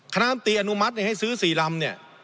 คณะมตีอนุมัติให้ซื้อ๔ลำเนี่ย